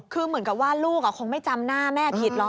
คือเหมือนกับว่าลูกคงไม่จำหน้าแม่ผิดหรอก